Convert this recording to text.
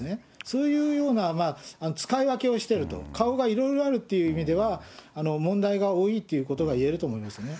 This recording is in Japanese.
そういうような使い分けをしてると、顔がいろいろあるっていう意味では、問題が多いということが言えると思いますね。